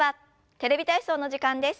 「テレビ体操」の時間です。